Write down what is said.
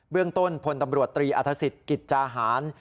เบื้องต้นพลตำรวจตรีอาธสิตกิจจาหาร